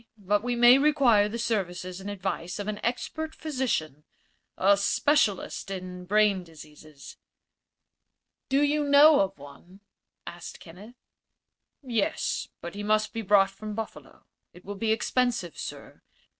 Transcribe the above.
But we may require the services and advice of an expert physician a specialist in brain diseases." "Do you know of one?" asked Kenneth. "Yes; but he must be brought from Buffalo. It will be expensive, sir.